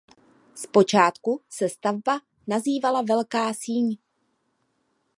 Zpočátku se stavba nazývala Velká síň.